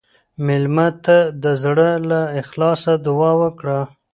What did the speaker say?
مېلمه ته د زړه له اخلاصه دعا وکړه.